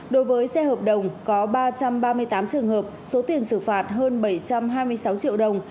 đối với xe hợp đồng có ba trăm ba mươi tám trường hợp số tiền xử phạt hơn bảy trăm hai mươi sáu triệu đồng